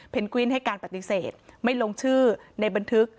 กวินให้การปฏิเสธไม่ลงชื่อในบันทึก